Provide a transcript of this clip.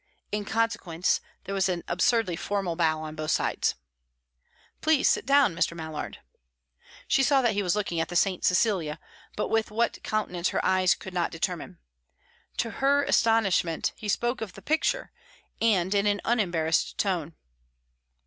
In consequence there was an absurdly formal bow on both sides. "Please sit down, Mr. Mallard." She saw that he was looking at the "St. Cecilia," but with what countenance her eyes could not determine. To her astonishment, he spoke of the picture, and in an unembarrassed tone.